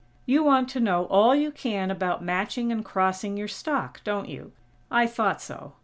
You want to know all you can about matching and crossing your stock, don't you? I thought so.